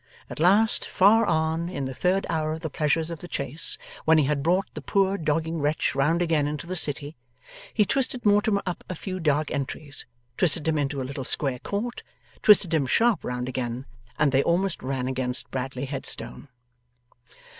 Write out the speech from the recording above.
At last, far on in the third hour of the pleasures of the chase, when he had brought the poor dogging wretch round again into the City, he twisted Mortimer up a few dark entries, twisted him into a little square court, twisted him sharp round again, and they almost ran against Bradley Headstone.